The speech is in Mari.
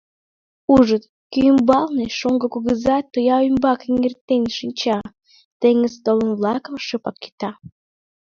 Ужыт: кӱ ӱмбалне шоҥго кугыза тоя ӱмбак эҥертен шинча, теҥыз толкын-влакым шыпак кӱта.